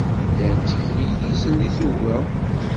Llan tteglilizen deg tuga.